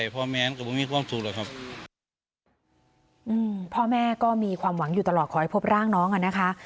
พ่อแม่ก็มีความหวังอยู่ตลอดขอให้พบร่างน้องอ่ะนะคะ